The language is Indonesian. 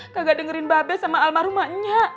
kagak dengerin babe sama almarhumahnya